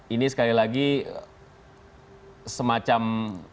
ini sekali lagi semacam